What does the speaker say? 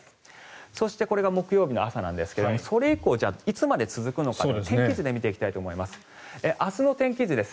そして、これが木曜日の朝なんですがそれ以降、いつまで続くのか天気図で見ていきます。